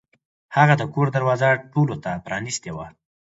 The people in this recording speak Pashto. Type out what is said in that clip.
هغه د کور دروازه ټولو ته پرانیستې وه.